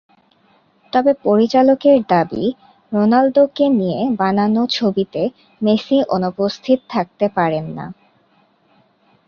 তবে, পরিচালকের দাবি রোনালদোকে নিয়ে বানানো ছবিতে মেসি অনুপস্থিত থাকতে পারেন না।